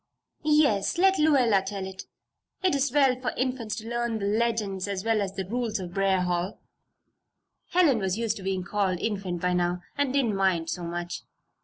"Yes! let Lluella tell it. It is well for Infants to learn the legends as well as the rules of Briarwood Hall." Helen was used to being called "Infant" by now and didn't mind so much.